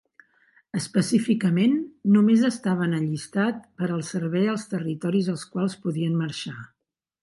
Específicament, només estaven allistat per al servei als territoris als quals podien marxar.